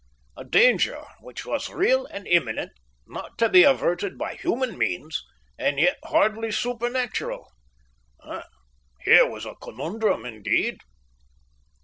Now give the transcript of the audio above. A danger which was real and imminent, not to be averted by human means, and yet hardly supernatural here was a conundrum indeed!